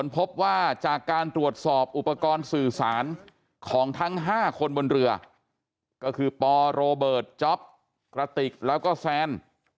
พบว่าจากการตรวจสอบอุปกรณ์สื่อสารของทั้ง๕คนบนเรือก็คือปโรเบิร์ตจ๊อปกระติกแล้วก็แซน